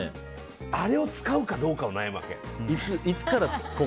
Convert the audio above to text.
あれを使うかどうかを悩むわけ。